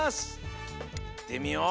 いってみよう。